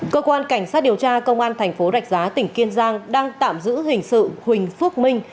cơ quan cảnh sát điều tra công an thành phố rạch giá tỉnh kiên giang đang tạm giữ hình sự huỳnh phước minh